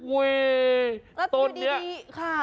อุ้ยต้นนี้แล้วอยู่ดีค่ะ